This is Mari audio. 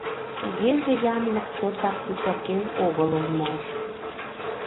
Тугеже янлык чотак сусырген огыл улмаш.